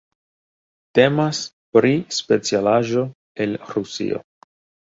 Temas pri specialaĵo el Rusio.